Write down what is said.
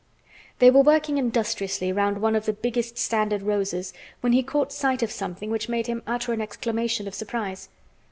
They were working industriously round one of the biggest standard roses when he caught sight of something which made him utter an exclamation of surprise.